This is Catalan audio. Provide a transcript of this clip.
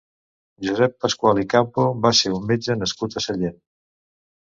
Josep Pasqual i Campo va ser un metge nascut a Sallent.